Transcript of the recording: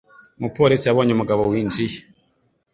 Umupolisi yabonye umugabo winjiye.